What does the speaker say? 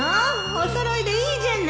お揃いでいいじゃない